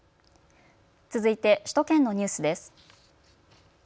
続いて首都圏のニュースです。